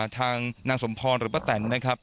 ทางนางสมพรหรือปะแต่นนะครับ